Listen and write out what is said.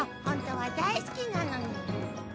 ほんとは大好きなのに。